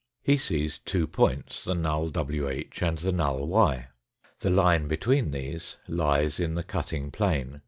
He sees two points, the null ivh and the null y. The line between these lies in the cutting plane.